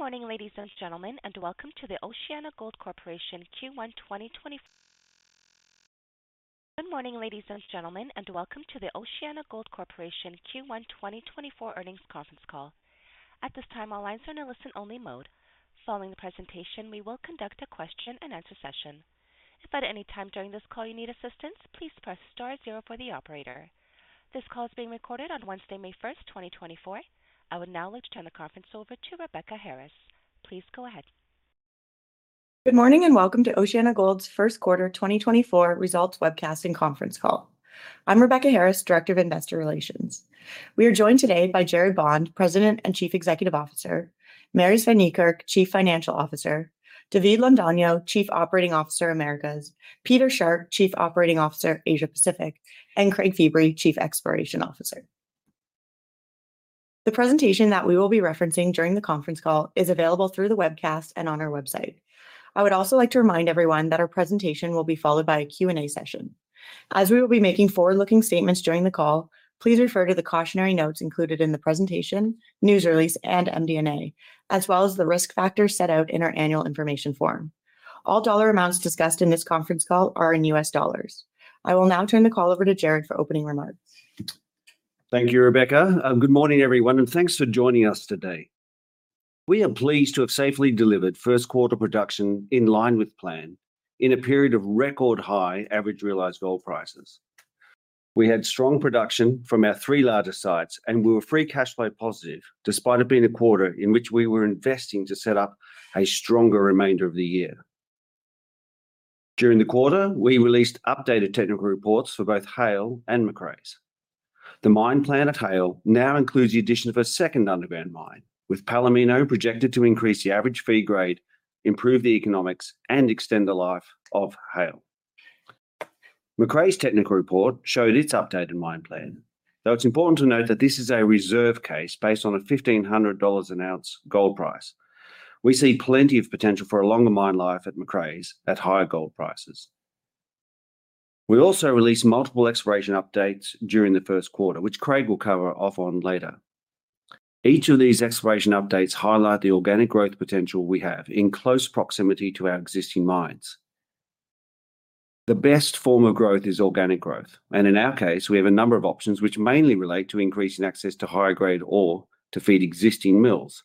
Good morning, ladies and gentlemen, and welcome to the OceanaGold Corporation Q1 2024 earnings conference call. At this time, all lines are in a listen-only mode. Following the presentation, we will conduct a question-and-answer session. If at any time during this call you need assistance, please press star zero for the operator. This call is being recorded on Wednesday, May 1st, 2024. I would now like to turn the conference over to Rebecca Harris. Please go ahead. Good morning, and welcome to OceanaGold's first quarter 2024 results webcast and conference call. I'm Rebecca Harris, Director of Investor Relations. We are joined today by Gerard Bond, President and Chief Executive Officer, Marius van Niekerk, Chief Financial Officer, David Londono, Chief Operating Officer, Americas, Peter Sharpe, Chief Operating Officer, Asia Pacific, and Craig Feebrey, Chief Exploration Officer. The presentation that we will be referencing during the conference call is available through the webcast and on our website. I would also like to remind everyone that our presentation will be followed by a Q&A session. As we will be making forward-looking statements during the call, please refer to the cautionary notes included in the presentation, news release, and MD&A, as well as the risk factors set out in our Annual Information Form. All dollar amounts discussed in this conference call are in US dollars. I will now turn the call over to Gerry for opening remarks. Thank you, Rebecca, and good morning, everyone, and thanks for joining us today. We are pleased to have safely delivered first quarter production in line with plan in a period of record-high average realized gold prices. We had strong production from our three largest sites, and we were free cash flow positive, despite it being a quarter in which we were investing to set up a stronger remainder of the year. During the quarter, we released updated technical reports for both Haile and Macraes. The mine plan of Haile now includes the addition of a second underground mine, with Palomino projected to increase the average feed grade, improve the economics, and extend the life of Haile. Macraes' technical report showed its updated mine plan, though it's important to note that this is a reserve case based on a $1,500 an ounce gold price. We see plenty of potential for a longer mine life at Macraes at higher gold prices. We also released multiple exploration updates during the first quarter, which Craig will cover off on later. Each of these exploration updates highlight the organic growth potential we have in close proximity to our existing mines. The best form of growth is organic growth, and in our case, we have a number of options which mainly relate to increasing access to higher grade ore to feed existing mills.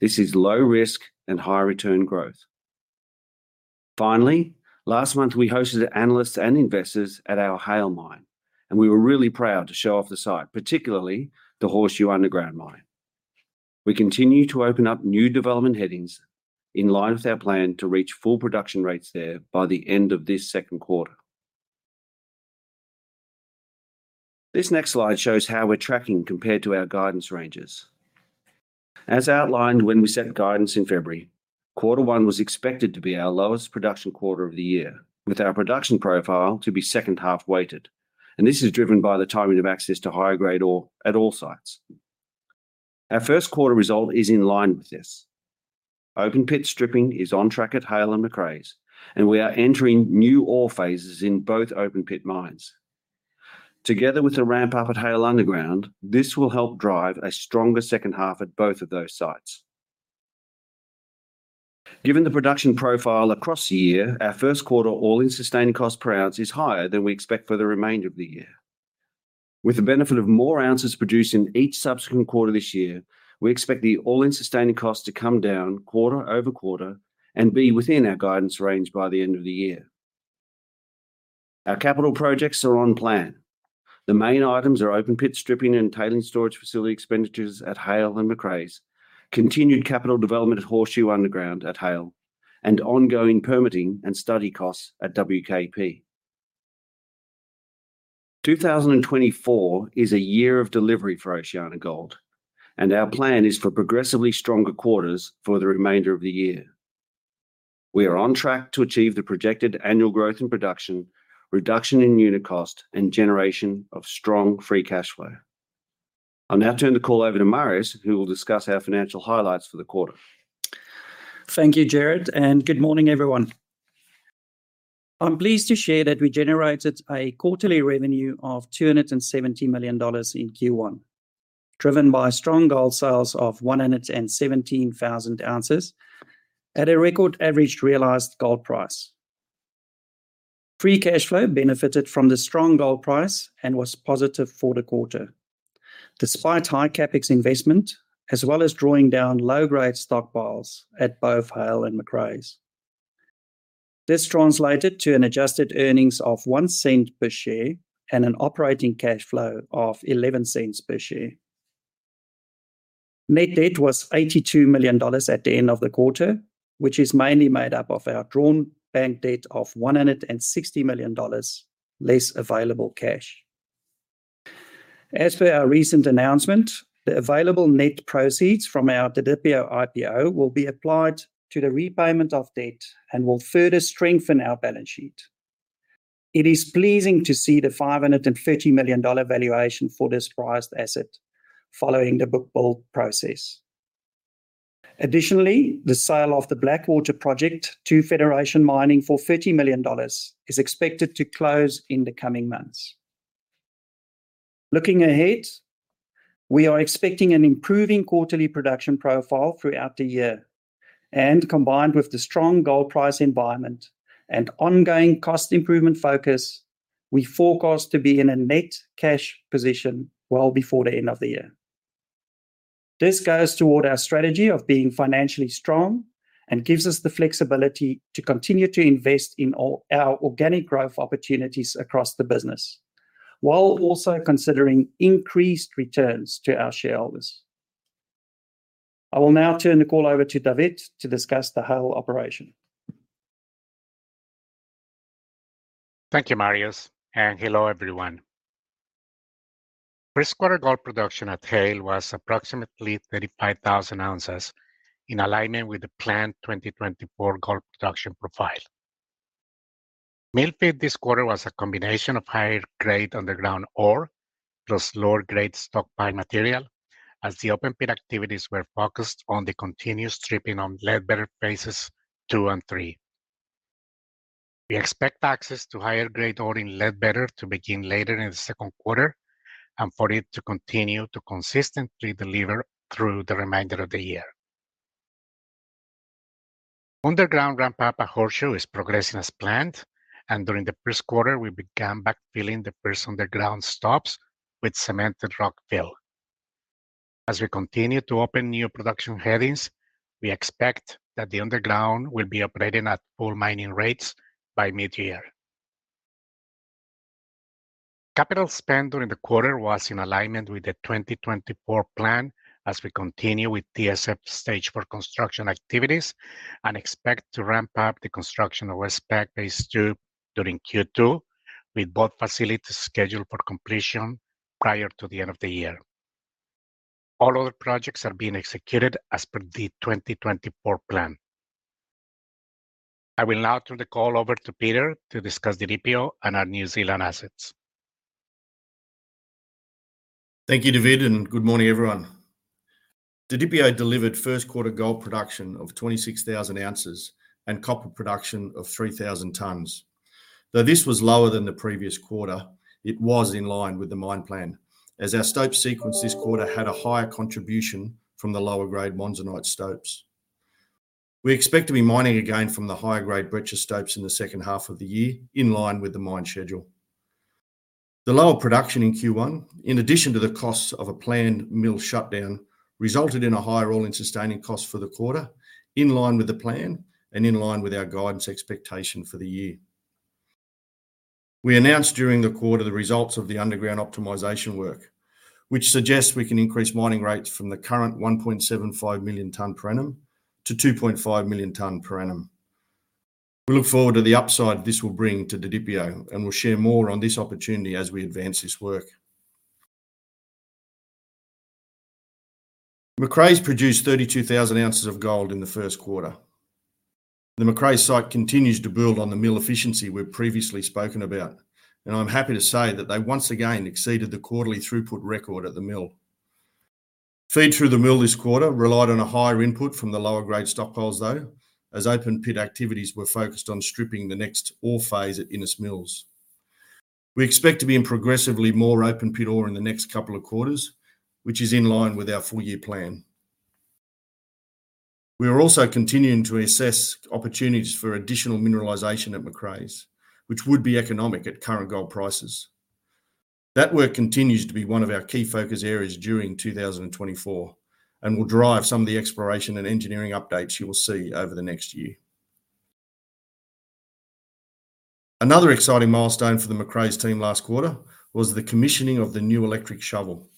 This is low risk and high return growth. Finally, last month, we hosted analysts and investors at our Haile Mine, and we were really proud to show off the site, particularly the Horseshoe Underground Mine. We continue to open up new development headings in line with our plan to reach full production rates there by the end of this second quarter. This next slide shows how we're tracking compared to our guidance ranges. As outlined when we set guidance in February, quarter one was expected to be our lowest production quarter of the year, with our production profile to be second half-weighted, and this is driven by the timing of access to higher-grade ore at all sites. Our first quarter result is in line with this. Open pit stripping is on track at Haile and Macraes, and we are entering new ore phases in both open pit mines. Together with the ramp-up at Haile Underground, this will help drive a stronger second half at both of those sites. Given the production profile across the year, our first quarter all-in sustaining cost per ounce is higher than we expect for the remainder of the year. With the benefit of more ounces produced in each subsequent quarter this year, we expect the all-in sustaining costs to come down quarter-over-quarter and be within our guidance range by the end of the year. Our capital projects are on plan. The main items are open pit stripping and tailings storage facility expenditures at Haile and Macraes, continued capital development at Horseshoe Underground at Haile, and ongoing permitting and study costs at WKP. 2024 is a year of delivery for OceanaGold, and our plan is for progressively stronger quarters for the remainder of the year. We are on track to achieve the projected annual growth in production, reduction in unit cost, and generation of strong free cash flow. I'll now turn the call over to Marius, who will discuss our financial highlights for the quarter. Thank you, Gerry, and good morning, everyone. I'm pleased to share that we generated a quarterly revenue of $270 million in Q1, driven by strong gold sales of 117,000 ounces at a record average realized gold price. Free cash flow benefited from the strong gold price and was positive for the quarter, despite high CapEx investment, as well as drawing down low-grade stockpiles at both Haile and Macraes. This translated to an adjusted earnings of $0.01 per share and an operating cash flow of $0.11 per share. Net debt was $82 million at the end of the quarter, which is mainly made up of our drawn bank debt of $160 million, less available cash. As per our recent announcement, the available net proceeds from our Didipio IPO will be applied to the repayment of debt and will further strengthen our balance sheet. It is pleasing to see the $550 million valuation for this prized asset following the book build process. Additionally, the sale of the Blackwater Project to Federation Mining for $30 million is expected to close in the coming months.... Looking ahead, we are expecting an improving quarterly production profile throughout the year. And combined with the strong gold price environment and ongoing cost improvement focus, we forecast to be in a net cash position well before the end of the year. This goes toward our strategy of being financially strong and gives us the flexibility to continue to invest in all our organic growth opportunities across the business, while also considering increased returns to our shareholders. I will now turn the call over to David to discuss the Haile operation. Thank you, Marius, and hello, everyone. First quarter gold production at Haile was approximately 35,000 ounces, in alignment with the planned 2024 gold production profile. Mill feed this quarter was a combination of higher-grade underground ore, plus lower-grade stockpile material, as the open pit activities were focused on the continuous stripping on Ledbetter Phases II and III. We expect access to higher-grade ore in Ledbetter to begin later in the second quarter and for it to continue to consistently deliver through the remainder of the year. Underground ramp up at Horseshoe is progressing as planned, and during the first quarter, we began backfilling the first underground stopes with cemented rock fill. As we continue to open new production headings, we expect that the underground will be operating at full mining rates by mid-year. Capital spend during the quarter was in alignment with the 2024 plan as we continue with TSF stage 4 construction activities and expect to ramp up the construction of West PAG Phase II during Q2, with both facilities scheduled for completion prior to the end of the year. All other projects are being executed as per the 2024 plan. I will now turn the call over to Peter to discuss the Didipio and our New Zealand assets. Thank you, David, and good morning, everyone. The Didipio delivered first quarter gold production of 26,000 ounces and copper production of 3,000 tonnes. Though this was lower than the previous quarter, it was in line with the mine plan, as our stope sequence this quarter had a higher contribution from the lower-grade monzonite stopes. We expect to be mining again from the higher-grade breccia stopes in the second half of the year, in line with the mine schedule. The lower production in Q1, in addition to the costs of a planned mill shutdown, resulted in a higher all-in sustaining cost for the quarter, in line with the plan and in line with our guidance expectation for the year. We announced during the quarter the results of the underground optimization work, which suggests we can increase mining rates from the current 1.75 million tonnes per annum to 2.5 million tonnes per annum. We look forward to the upside this will bring to the Didipio, and we'll share more on this opportunity as we advance this work. Macraes produced 32,000 ounces of gold in the first quarter. The Macraes site continues to build on the mill efficiency we've previously spoken about, and I'm happy to say that they once again exceeded the quarterly throughput record at the mill. Feed through the mill this quarter relied on a higher input from the lower-grade stockpiles, though, as open pit activities were focused on stripping the next ore phase at Innes Mills. We expect to be in progressively more open pit ore in the next couple of quarters, which is in line with our full-year plan. We are also continuing to assess opportunities for additional mineralization at Macraes, which would be economic at current gold prices. That work continues to be one of our key focus areas during 2024 and will drive some of the exploration and engineering updates you will see over the next year. Another exciting milestone for the Macraes team last quarter was the commissioning of the new electric shovel.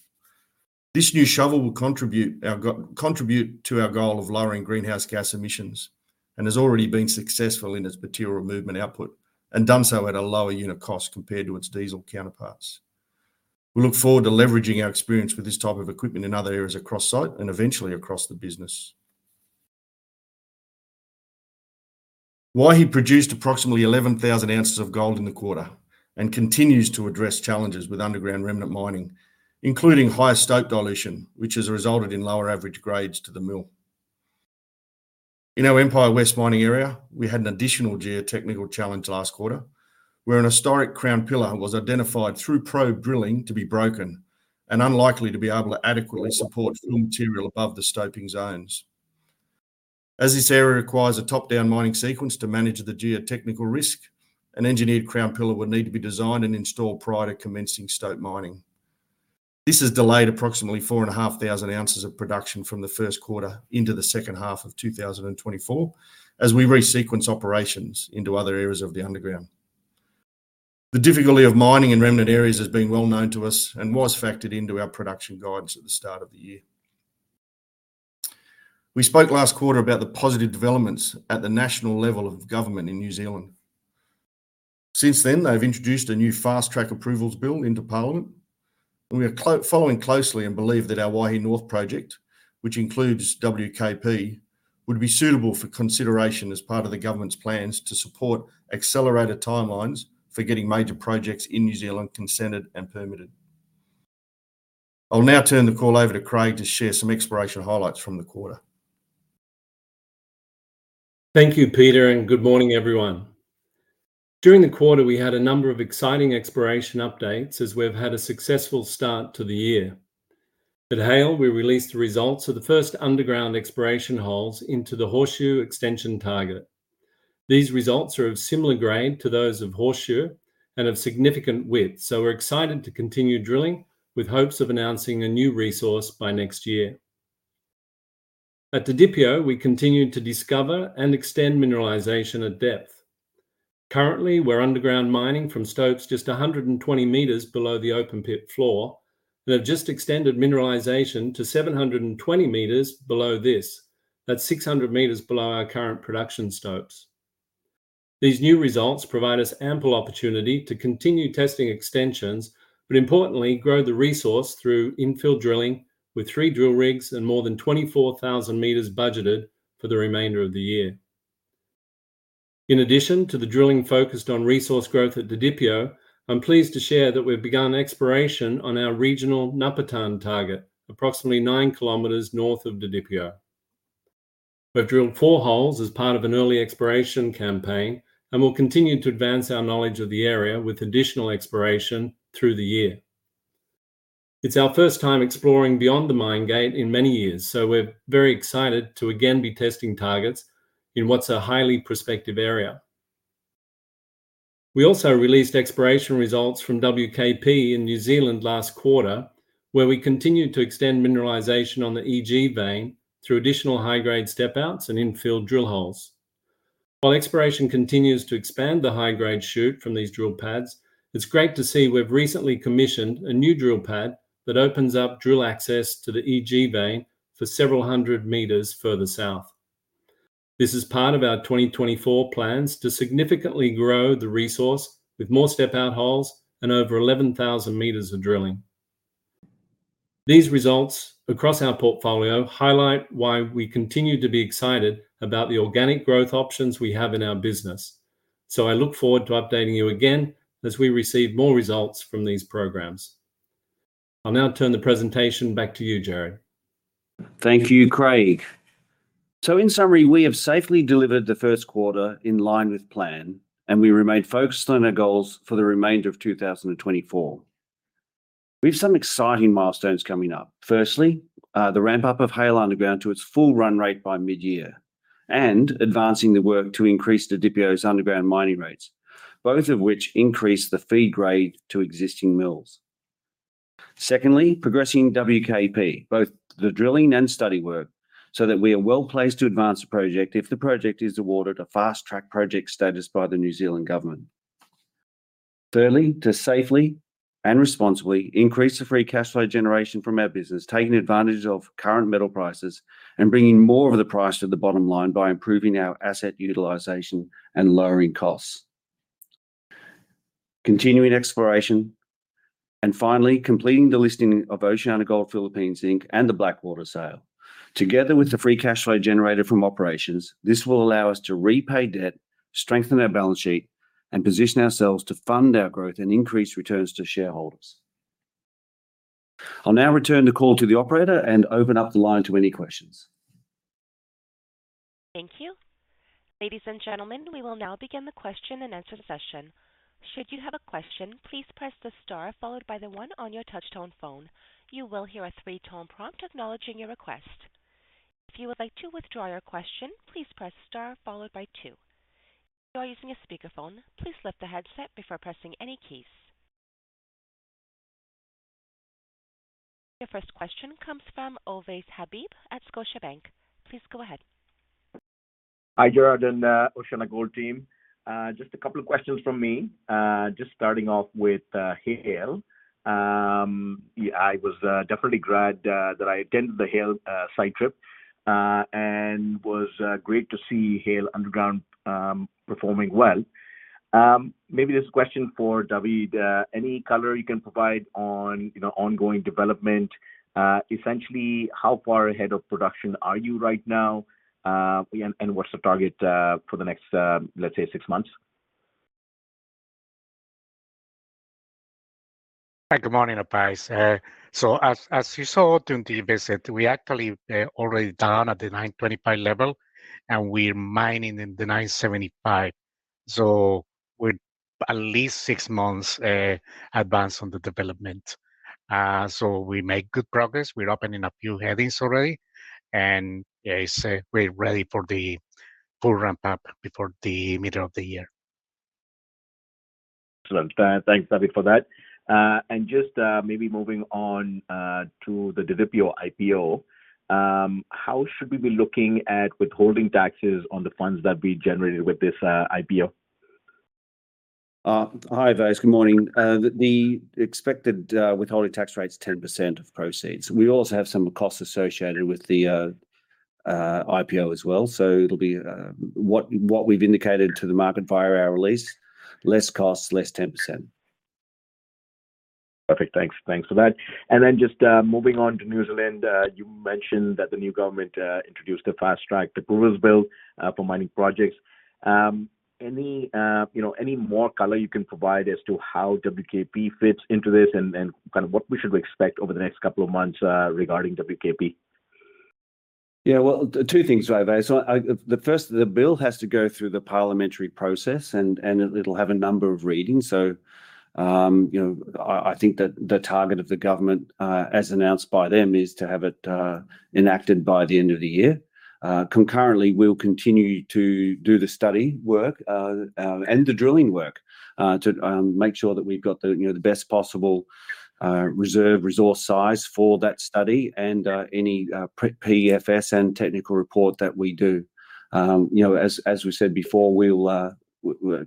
This new shovel will contribute to our goal of lowering greenhouse gas emissions and has already been successful in its material movement output, and done so at a lower unit cost compared to its diesel counterparts. We look forward to leveraging our experience with this type of equipment in other areas across site and eventually across the business. Waihi produced approximately 11,000 ounces of gold in the quarter and continues to address challenges with underground remnant mining, including higher stope dilution, which has resulted in lower average grades to the mill. In our Empire West mining area, we had an additional geotechnical challenge last quarter, where an historic crown pillar was identified through probe drilling to be broken and unlikely to be able to adequately support fill material above the stoping zones. As this area requires a top-down mining sequence to manage the geotechnical risk, an engineered crown pillar would need to be designed and installed prior to commencing stope mining. This has delayed approximately 4,500 ounces of production from the first quarter into the second half of 2024, as we resequence operations into other areas of the underground. The difficulty of mining in remnant areas has been well known to us and was factored into our production guides at the start of the year. We spoke last quarter about the positive developments at the national level of government in New Zealand. Since then, they've introduced a new Fast-Track Approvals Bill into Parliament, and we are following closely and believe that our Waihi North Project, which includes WKP, would be suitable for consideration as part of the government's plans to support accelerated timelines for getting major projects in New Zealand consented and permitted. I will now turn the call over to Craig to share some exploration highlights from the quarter. Thank you, Peter, and good morning, everyone. During the quarter, we had a number of exciting exploration updates as we've had a successful start to the year. At Haile, we released the results of the first underground exploration holes into the Horseshoe Extension target. These results are of similar grade to those of Horseshoe and of significant width, so we're excited to continue drilling with hopes of announcing a new resource by next year. At Didipio, we continued to discover and extend mineralization at depth. Currently, we're underground mining from stopes just 120 meters below the open pit floor and have just extended mineralization to 720 meters below this. That's 600 meters below our current production stopes. These new results provide us ample opportunity to continue testing extensions, but importantly, grow the resource through infill drilling with 3 drill rigs and more than 24,000 meters budgeted for the remainder of the year. In addition to the drilling focused on resource growth at Didipio, I'm pleased to share that we've begun exploration on our regional Napartan target, approximately 9 kilometers north of Didipio. We've drilled 4 holes as part of an early exploration campaign, and we'll continue to advance our knowledge of the area with additional exploration through the year. It's our first time exploring beyond the mine gate in many years, so we're very excited to again be testing targets in what's a highly prospective area. We also released exploration results from WKP in New Zealand last quarter, where we continued to extend mineralization on the EG Vein through additional high-grade step outs and infill drill holes. While exploration continues to expand the high-grade shoot from these drill pads, it's great to see we've recently commissioned a new drill pad that opens up drill access to the EG Vein for several hundred meters further south. This is part of our 2024 plans to significantly grow the resource with more step-out holes and over 11,000 meters of drilling. These results across our portfolio highlight why we continue to be excited about the organic growth options we have in our business. So I look forward to updating you again as we receive more results from these programs. I'll now turn the presentation back to you, Gerard. Thank you, Craig. So in summary, we have safely delivered the first quarter in line with plan, and we remain focused on our goals for the remainder of 2024. We have some exciting milestones coming up. Firstly, the ramp-up of Haile Underground to its full run rate by mid-year, and advancing the work to increase Didipio's underground mining rates, both of which increase the feed grade to existing mills. Secondly, progressing WKP, both the drilling and study work, so that we are well-placed to advance the project if the project is awarded a fast-track project status by the New Zealand government. Thirdly, to safely and responsibly increase the free cash flow generation from our business, taking advantage of current metal prices and bringing more of the price to the bottom line by improving our asset utilization and lowering costs. Continuing exploration, and finally, completing the listing of OceanaGold (Philippines), Inc., and the Blackwater sale. Together with the free cash flow generated from operations, this will allow us to repay debt, strengthen our balance sheet, and position ourselves to fund our growth and increase returns to shareholders. I'll now return the call to the operator and open up the line to any questions. Thank you. Ladies and gentlemen, we will now begin the question and answer session. Should you have a question, please press the star followed by the one on your touchtone phone. You will hear a three-tone prompt acknowledging your request. If you would like to withdraw your question, please press star followed by two. If you are using a speakerphone, please lift the headset before pressing any keys. Your first question comes from Ovais Habib at Scotiabank. Please go ahead. Hi, Gerard and OceanaGold team. Just a couple of questions from me. Just starting off with Haile. Yeah, I was definitely glad that I attended the Haile site trip, and was great to see Haile Underground performing well. Maybe this question for David. Any color you can provide on, you know, ongoing development? Essentially, how far ahead of production are you right now? And what's the target for the next, let's say, six months? Hi, good morning, Ovais. So as, as you saw during the visit, we actually already down at the 925 level, and we're mining in the 975. So we're at least six months advanced on the development. So we make good progress. We're opening a few headings already, and yeah, it's, we're ready for the full ramp-up before the middle of the year. Excellent. Thanks, David, for that. And just maybe moving on to the Didipio IPO, how should we be looking at withholding taxes on the funds that we generated with this IPO? Hi, Ovais. Good morning. The expected withholding tax rate is 10% of proceeds. We also have some costs associated with the IPO as well. So it'll be what we've indicated to the market via our release, less costs, less 10%. Perfect. Thanks. Thanks for that. And then just moving on to New Zealand, you mentioned that the new government introduced a fast-track bill for mining projects. Any, you know, any more color you can provide as to how WKP fits into this and kind of what we should expect over the next couple of months regarding WKP? Yeah, well, two things, Ovais. So I, the first, the bill has to go through the parliamentary process, and it'll have a number of readings. So, you know, I think that the target of the government, as announced by them, is to have it enacted by the end of the year. Concurrently, we'll continue to do the study work, and the drilling work, to make sure that we've got the, you know, the best possible, reserve resource size for that study and, any, pre-PFS and technical report that we do. You know, as we said before, we'll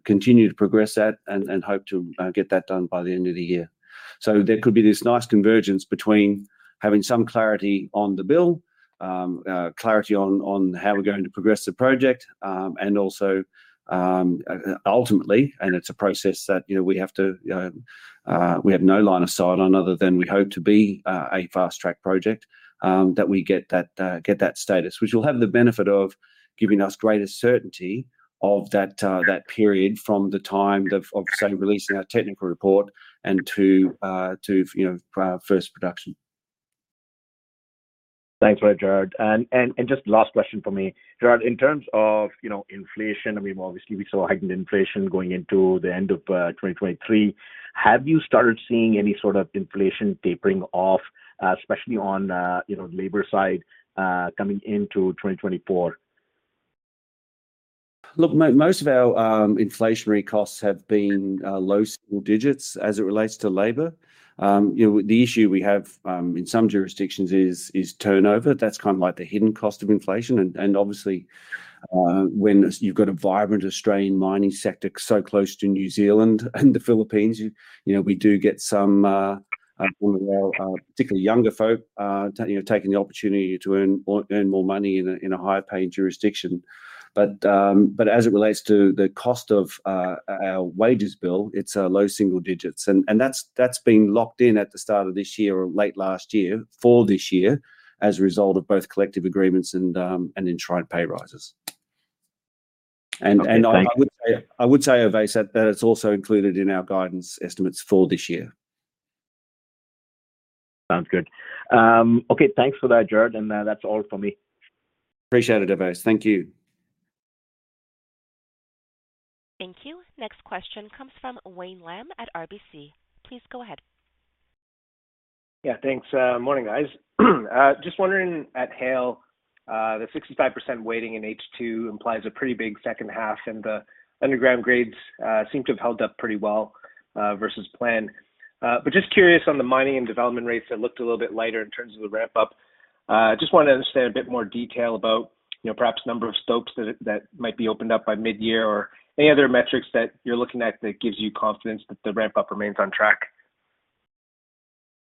continue to progress that and hope to get that done by the end of the year. So there could be this nice convergence between having some clarity on the bill, clarity on, on how we're going to progress the project, and also, ultimately, and it's a process that, you know, we have to, we have no line of sight on other than we hope to be, a fast-track project, that we get that, get that status, which will have the benefit of giving us greater certainty of that, that period from the time of, of say, releasing our technical report and to, to, you know, first production. Thanks for that, Gerard. And just last question for me. Gerard, in terms of, you know, inflation, I mean, obviously we saw heightened inflation going into the end of 2023. Have you started seeing any sort of inflation tapering off, especially on, you know, the labor side, coming into 2024? Look, most of our inflationary costs have been low single digits as it relates to labor. You know, the issue we have in some jurisdictions is turnover. That's kind of like the hidden cost of inflation, and obviously, when you've got a vibrant Australian mining sector so close to New Zealand and the Philippines, you know, we do get some well, particularly younger folk, you know, taking the opportunity to earn or earn more money in a higher paying jurisdiction. But as it relates to the cost of our wages bill, it's low single digits, and that's been locked in at the start of this year or late last year for this year as a result of both collective agreements and enshrined pay rises. Okay, thank you. I would say, Ovais, that it's also included in our guidance estimates for this year. Sounds good. Okay. Thanks for that, Gerard, and that's all for me. Appreciate it, Ovais. Thank you. Thank you. Next question comes from Wayne Lam at RBC. Please go ahead. Yeah, thanks. Morning, guys. Just wondering, at Haile, the 65% weighting in H2 implies a pretty big second half, and the underground grades seem to have held up pretty well versus plan. But just curious on the mining and development rates that looked a little bit lighter in terms of the ramp up. Just wanted to understand a bit more detail about, you know, perhaps number of stopes that might be opened up by mid-year or any other metrics that you're looking at that gives you confidence that the ramp-up remains on track.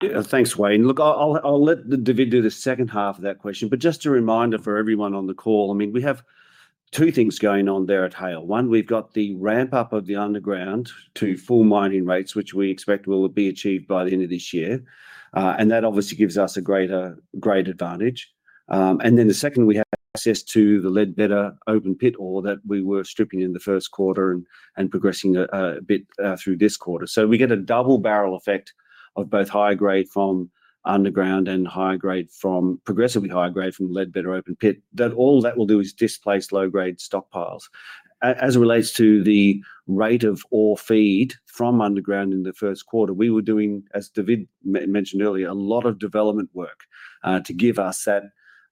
Yeah. Thanks, Wayne. Look, I'll let David do the second half of that question, but just a reminder for everyone on the call, I mean, we have two things going on there at Haile. One, we've got the ramp-up of the underground to full mining rates, which we expect will be achieved by the end of this year. And that obviously gives us a great advantage. And then the second, we have access to the Ledbetter open-pit ore that we were stripping in the first quarter and progressing a bit through this quarter. So we get a double barrel effect of both high grade from underground and high grade from progressively higher grade from Ledbetter open pit, that all that will do is displace low-grade stockpiles. As it relates to the rate of ore feed from underground in the first quarter, we were doing, as David mentioned earlier, a lot of development work, to give us that,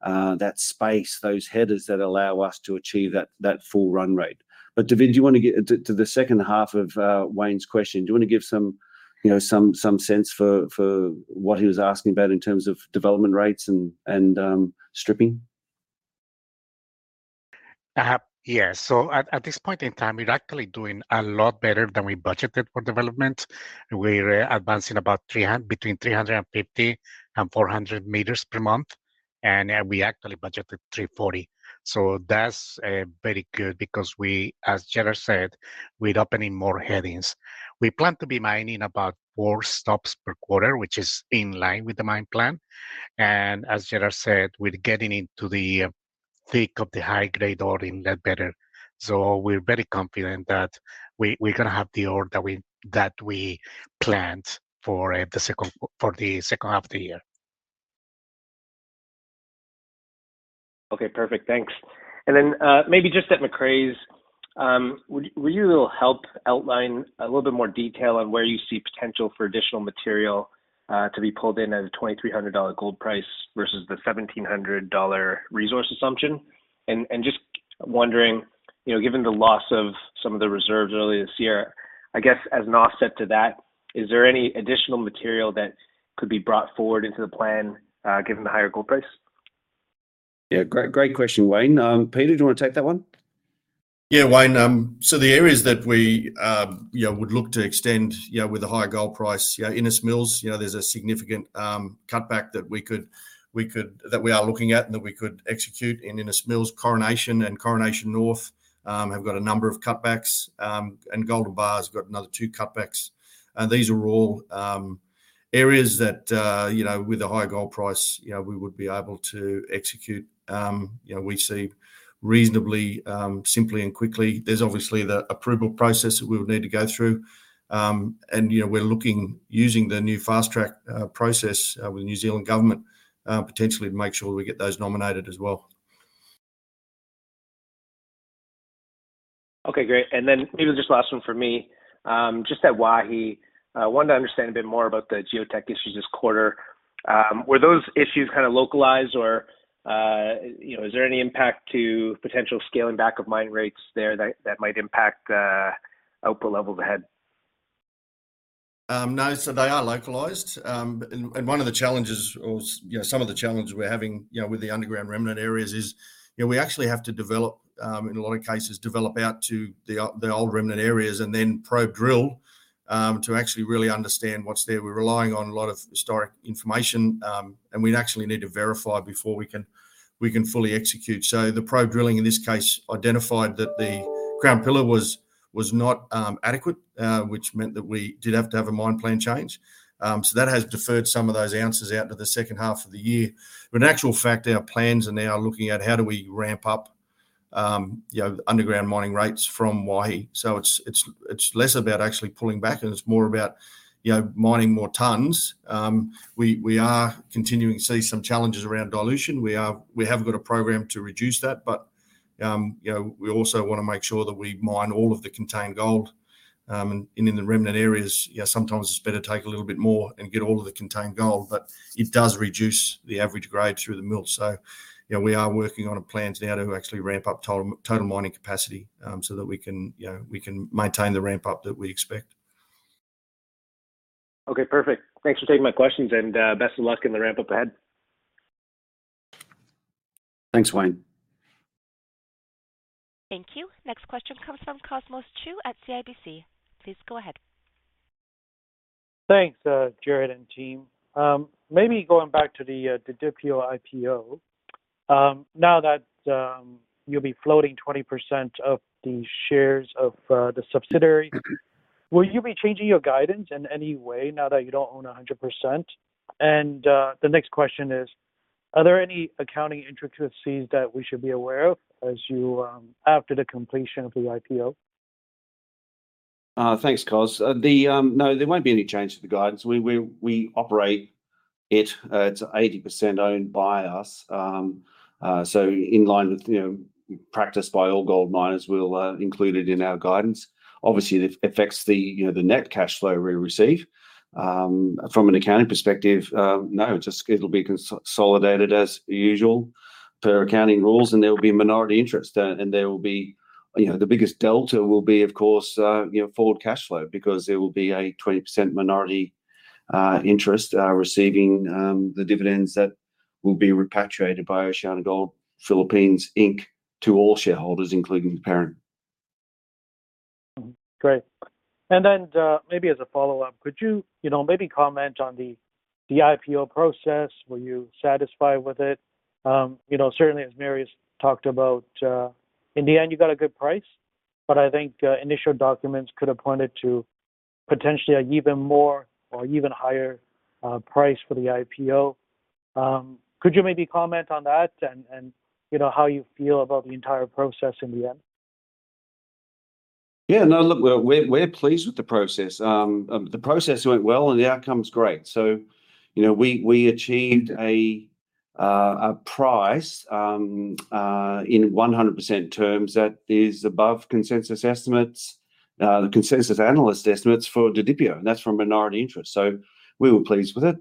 that space, those headers that allow us to achieve that, that full run rate. But David, do you want to get into to the second half of, Wayne's question? Do you want to give some, you know, some, some sense for, for what he was asking about in terms of development rates and, and, stripping? Yeah. So at this point in time, we're actually doing a lot better than we budgeted for development. We're advancing between 350 and 400 meters per month, and we actually budgeted 340. So that's very good because we, as Gerard said, we're opening more headings. We plan to be mining about 4 stopes per quarter, which is in line with the mine plan. And as Gerard said, we're getting into the thick of the high-grade ore in Ledbetter. So we're very confident that we, we're gonna have the ore that we, that we planned for the second half of the year. Okay, perfect. Thanks. And then, maybe just at Macraes, would you little help outline a little bit more detail on where you see potential for additional material to be pulled in at a $2,300 gold price versus the $1,700 resource assumption? And just wondering, you know, given the loss of some of the reserves earlier this year, I guess as an offset to that, is there any additional material that could be brought forward into the plan, given the higher gold price? Yeah. Great, great question, Wayne. Peter, do you want to take that one? Yeah, Wayne, so the areas that we, you know, would look to extend, you know, with a higher gold price, you know, Innes Mills, you know, there's a significant cutback that we are looking at and that we could execute in Innes Mills. Coronation and Coronation North have got a number of cutbacks, and Golden Bar's got another two cutbacks. And these are all areas that, you know, with a high gold price, you know, we would be able to execute, you know, we see reasonably simply and quickly. There's obviously the approval process that we would need to go through. And, you know, we're looking, using the new fast track process, with the New Zealand government, potentially to make sure we get those nominated as well. Okay, great. And then maybe just last one for me. Just at Waihi, I wanted to understand a bit more about the geotech issues this quarter. Were those issues kind of localized or, you know, is there any impact to potential scaling back of mine rates there that might impact output levels ahead? No. So they are localized. And one of the challenges or, you know, some of the challenges we're having, you know, with the underground remnant areas is, you know, we actually have to develop, in a lot of cases, develop out to the old remnant areas and then probe drill to actually really understand what's there. We're relying on a lot of historic information, and we actually need to verify before we can fully execute. So the probe drilling, in this case, identified that the crown pillar was not adequate, which meant that we did have to have a mine plan change. So that has deferred some of those ounces out to the second half of the year. But in actual fact, our plans are now looking at how do we ramp up, you know, underground mining rates from Waihi. So it's less about actually pulling back, and it's more about, you know, mining more tons. We are continuing to see some challenges around dilution. We have got a program to reduce that, but, you know, we also wanna make sure that we mine all of the contained gold. And in the remnant areas, you know, sometimes it's better to take a little bit more and get all of the contained gold, but it does reduce the average grade through the mill. So, you know, we are working on a plan now to actually ramp up total mining capacity, so that we can, you know, we can maintain the ramp-up that we expect. Okay, perfect. Thanks for taking my questions, and best of luck in the ramp-up ahead. Thanks, Wayne. Thank you. Next question comes from Cosmos Chiu at CIBC. Please go ahead. Thanks, Jared and team. Maybe going back to the Didipio IPO. Now that you'll be floating 20% of the shares of the subsidiary, will you be changing your guidance in any way now that you don't own 100%? And the next question is, are there any accounting intricacies that we should be aware of as you after the completion of the IPO? Thanks, Cos. No, there won't be any change to the guidance. We operate it. It's 80% owned by us. So in line with, you know, practice by all gold miners, we'll include it in our guidance. Obviously, it affects the, you know, the net cash flow we receive. From an accounting perspective, no, just it'll be consolidated as usual per accounting rules, and there will be minority interest, and there will be... You know, the biggest delta will be, of course, you know, forward cash flow because there will be a 20% minority interest receiving the dividends that will be repatriated by OceanaGold Philippines Inc to all shareholders, including the parent. Great. And then, maybe as a follow-up, could you, you know, maybe comment on the IPO process? Were you satisfied with it? You know, certainly, as Marius's talked about, in the end, you got a good price, but I think, initial documents could have pointed to potentially an even more or even higher price for the IPO. Could you maybe comment on that and, and you know, how you feel about the entire process in the end? Yeah. No, look, we're pleased with the process. The process went well, and the outcome's great. So, you know, we achieved a price in 100% terms that is above consensus estimates, the consensus analyst estimates for Didipio, and that's from minority interest. So we were pleased with it.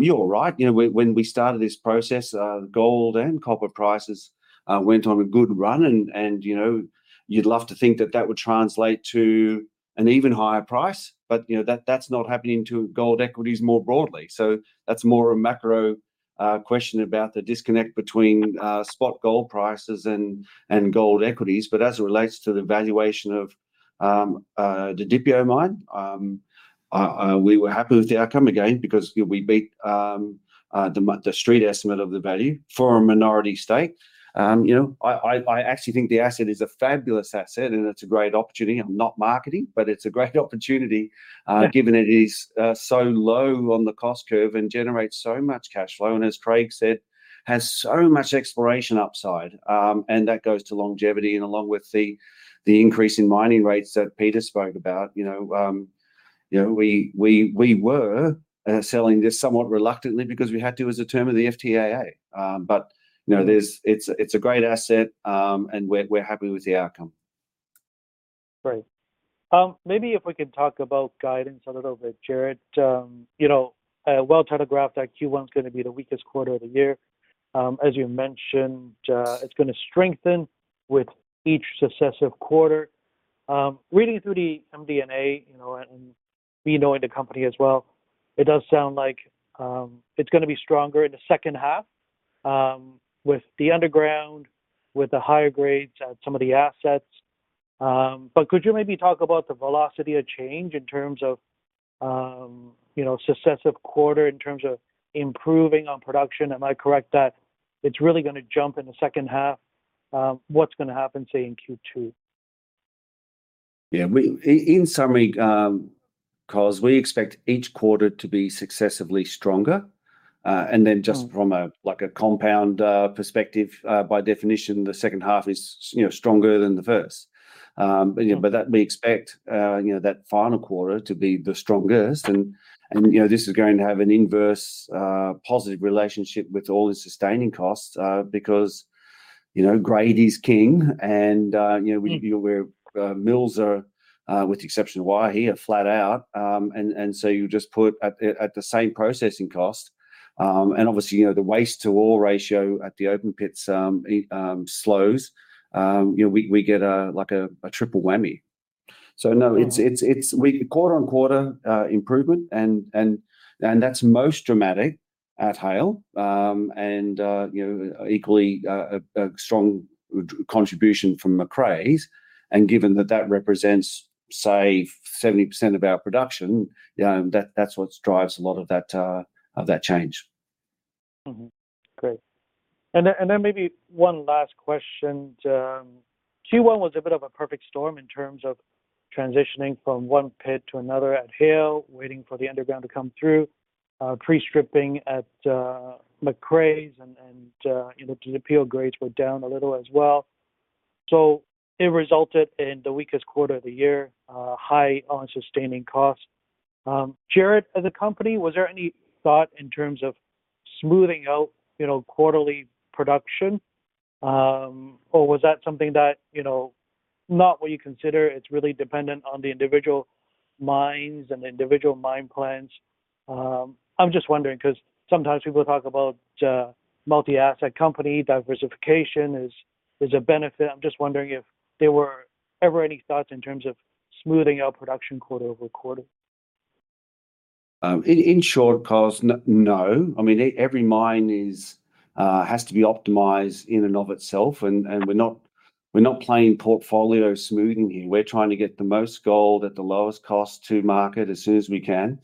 You're right, you know, when we started this process, gold and copper prices went on a good run and, you know, you'd love to think that that would translate to an even higher price, but, you know, that's not happening to gold equities more broadly. So that's more a macro question about the disconnect between spot gold prices and gold equities. But as it relates to the valuation of Didipio Mine, we were happy with the outcome again because, you know, we beat the street estimate of the value for a minority stake. You know, I actually think the asset is a fabulous asset, and it's a great opportunity. I'm not marketing, but it's a great opportunity, given it is so low on the cost curve and generates so much cash flow, and as Craig said, has so much exploration upside. And that goes to longevity and along with the increase in mining rates that Peter spoke about, you know, we were selling this somewhat reluctantly because we had to as a term of the FTAA. But, you know, it's a great asset, and we're happy with the outcome. Great. Maybe if we can talk about guidance a little bit, Gerard. You know, well telegraphed that Q1's gonna be the weakest quarter of the year. As you mentioned, it's gonna strengthen with each successive quarter. Reading through the MD&A, you know, and me knowing the company as well, it does sound like it's gonna be stronger in the second half, with the underground, with the higher grades at some of the assets. But could you maybe talk about the velocity of change in terms of, you know, successive quarter, in terms of improving on production? Am I correct that it's really gonna jump in the second half? What's gonna happen, say, in Q2? Yeah, we, in summary, Cos, we expect each quarter to be successively stronger. And then just from a, like a compound perspective, by definition, the second half is, you know, stronger than the first. But, you know, we expect that final quarter to be the strongest and, you know, this is going to have an inverse positive relationship with all the sustaining costs, because you know, grade is king, and you know, we, you're aware, mills are, with the exception of Waihi, flat out. And so you just put at the same processing cost, and obviously, you know, the waste-to-ore ratio at the open pits slows, you know, we get a, like, a triple whammy. So no, it's quarter-on-quarter improvement, and that's most dramatic at Haile. You know, equally, a strong contribution from Macraes, and given that that represents, say, 70% of our production, that's what drives a lot of that change. Great. And then maybe one last question. Q1 was a bit of a perfect storm in terms of transitioning from one pit to another at Haile, waiting for the underground to come through, pre-stripping at Macraes, and, and, you know, the Didipio grades were down a little as well. So it resulted in the weakest quarter of the year, high on sustaining costs. Gerard, as a company, was there any thought in terms of smoothing out, you know, quarterly production? Or was that something that, you know, not what you consider, it's really dependent on the individual mines and the individual mine plans? I'm just wondering, 'cause sometimes people talk about, multi-asset company, diversification is a benefit. I'm just wondering if there were ever any thoughts in terms of smoothing out production quarter over quarter. In short, Cos, no. I mean, every mine is, has to be optimized in and of itself, and we're not, we're not playing portfolio smoothing here. We're trying to get the most gold at the lowest cost to market as soon as we can.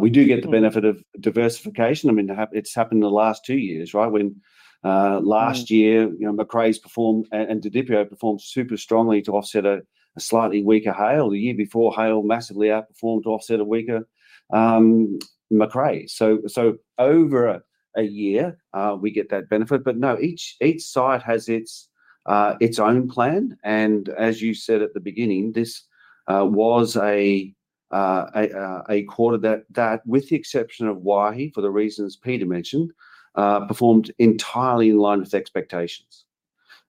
We do get the benefit of diversification. I mean, it's happened in the last two years, right? When last year, you know, Macraes performed, and Didipio performed super strongly to offset a slightly weaker Haile. The year before, Haile massively outperformed to offset a weaker Macraes.So over a year, we get that benefit, but no, each site has its own plan, and as you said at the beginning, this was a quarter that, with the exception of Waihi, for the reasons Peter mentioned, performed entirely in line with expectations.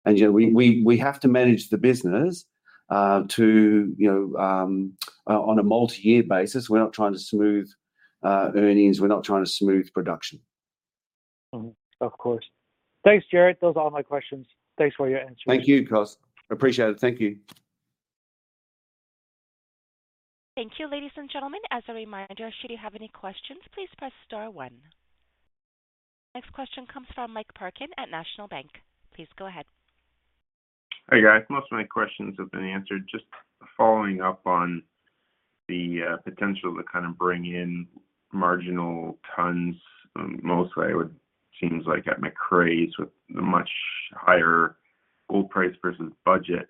You know, we have to manage the business to, you know, on a multi-year basis. We're not trying to smooth earnings. We're not trying to smooth production. Of course. Thanks, Gerard. Those are all my questions. Thanks for your answers. Thank you, Cos. Appreciate it. Thank you. Thank you, ladies and gentlemen. As a reminder, should you have any questions, please press star one. Next question comes from Mike Parkin at National Bank. Please go ahead. Hey, guys. Most of my questions have been answered. Just following up on the potential to kind of bring in marginal tons, mostly it would seems like at Macraes, with the much higher gold price versus budget.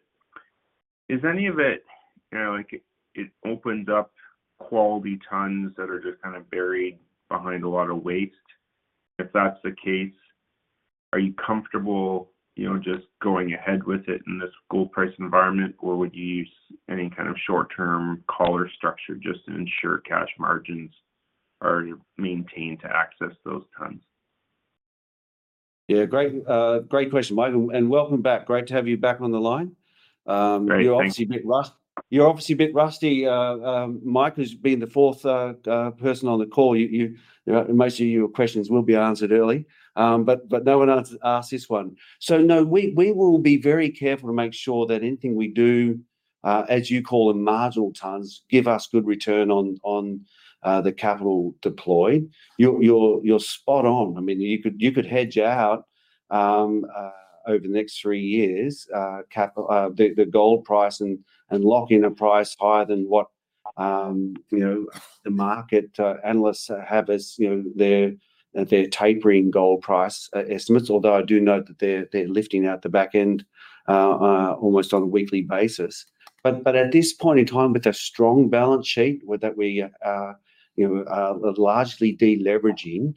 Is any of it, you know, like it opened up quality tons that are just kind of buried behind a lot of waste? If that's the case, are you comfortable, you know, just going ahead with it in this gold price environment, or would you use any kind of short-term collar structure just to ensure cash margins are maintained to access those tons? Yeah, great, great question, Mike, and welcome back. Great to have you back on the line. Great. Thank you. You're obviously a bit rusty, Mike, as being the fourth person on the call. Most of your questions will be answered early, but no one asked this one. So no, we will be very careful to make sure that anything we do, as you call them, marginal tons, give us good return on the capital deployed. You're spot on. I mean, you could hedge out over the next three years capital the gold price and lock in a price higher than what the market analysts have as their tapering gold price estimates. Although, I do note that they're lifting out the back end almost on a weekly basis. But at this point in time, with a strong balance sheet, with that we, you know, largely de-leveraging,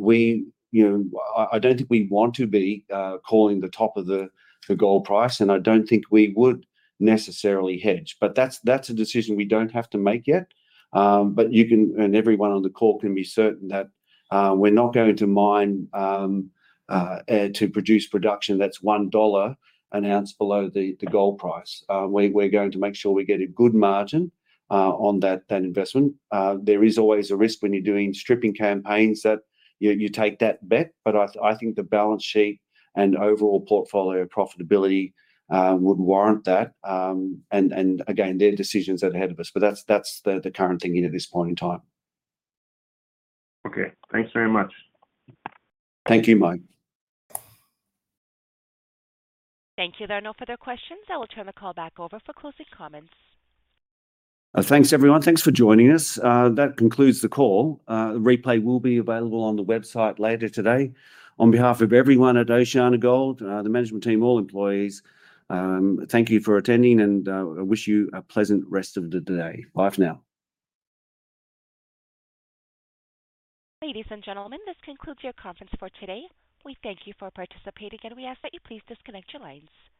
we, you know, I don't think we want to be calling the top of the gold price, and I don't think we would necessarily hedge. But that's a decision we don't have to make yet. But you can, and everyone on the call can be certain that we're not going to mine air to produce production that's $1 an ounce below the gold price. We're going to make sure we get a good margin on that investment. There is always a risk when you're doing stripping campaigns that you take that bet, but I think the balance sheet and overall portfolio profitability would warrant that. And again, they're decisions that are ahead of us, but that's the current thinking at this point in time. Okay. Thanks very much. Thank you, Mike. Thank you. There are no further questions. I will turn the call back over for closing comments. Thanks, everyone. Thanks for joining us. That concludes the call. A replay will be available on the website later today. On behalf of everyone at OceanaGold, the management team, all employees, thank you for attending, and I wish you a pleasant rest of the day. Bye for now. Ladies and gentlemen, this concludes your conference for today. We thank you for participating, and we ask that you please disconnect your lines.